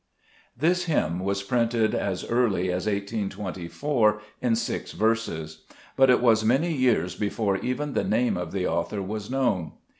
This hymn was printed as early as 1S24, in six verses ; but it was many years before even the name of the author was known.